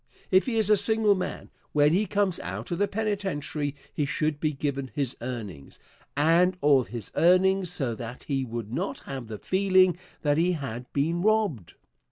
If he is a single man, when he comes out of the penitentiary he should be given his earnings, and all his earnings, so that he would not have the feeling that he had been robbed.